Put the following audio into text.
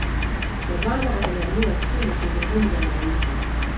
gavana akanyanyua simu kuzungumza na raisi